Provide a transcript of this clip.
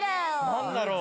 何だろう？